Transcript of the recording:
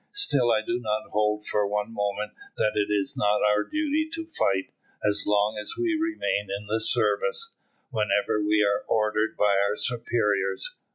"Still I do not hold for one moment that it is not our duty to fight, as long as we remain in the service, whenever we are ordered by our superiors.